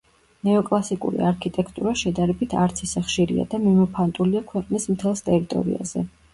ნეოკლასიკური არქიტექტურა შედარებით არც ისე ხშირია და მიმოფანტულია ქვეყნის მთელს ტერიტორიაზე.